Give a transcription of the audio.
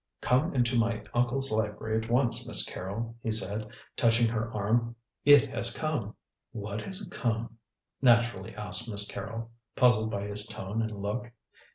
"Come into my uncle's library at once, Miss Carrol," he said, touching her arm. "It has come." "What has come?" naturally asked Miss Carrol, puzzled by his tone and look.